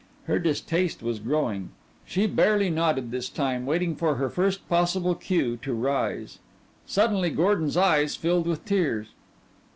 Her distaste was growing. She barely nodded this time, waiting for her first possible cue to rise. Suddenly Gordon's eyes filled with tears.